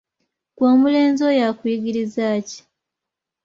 Ggwe omulenzi oyo akuyigirizaaki?